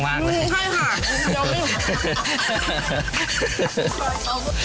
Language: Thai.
ใช่ค่ะ